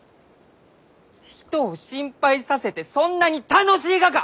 人を心配させてそんなに楽しいがか！？